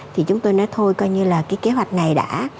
thì chúng tôi nói thôi coi như là cái kế hoạch này đã